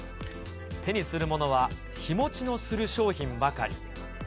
手にするものは日持ちのする商品ばかり。